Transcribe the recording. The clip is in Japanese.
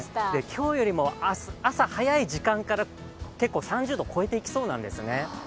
今日よりも朝早い時間が結構３０度を超えていきそうなんですね。